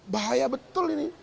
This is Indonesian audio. bahaya betul ini